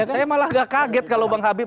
saya malah gak kaget kalau bang habib